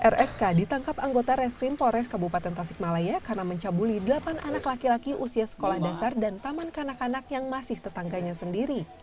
rsk ditangkap anggota reskrim polres kabupaten tasikmalaya karena mencabuli delapan anak laki laki usia sekolah dasar dan taman kanak kanak yang masih tetangganya sendiri